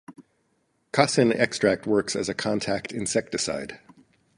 Quassin extract works as a contact insecticide.